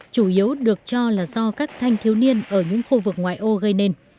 chủ yếu được cho là do các thanh thiếu niên ở những khu vực ngoài âu gây nên